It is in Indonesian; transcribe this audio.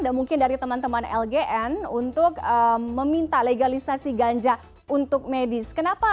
dan mungkin dari teman teman lgn untuk meminta legalisasi ganja untuk medis